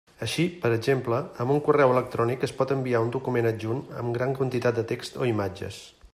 Així, per exemple, amb un correu electrònic es pot enviar un document adjunt amb gran quantitat de text o imatges.